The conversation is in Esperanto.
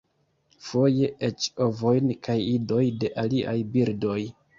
Foje eĉ ovojn kaj idoj de aliaj birdoj.